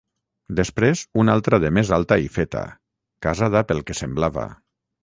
Després una altra de més alta i feta, casada pel que semblava.